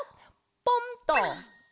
ポンっと。